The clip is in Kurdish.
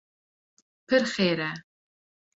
pir xêr e